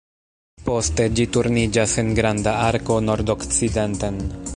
Poste ĝi turniĝas en granda arko nordokcidenten.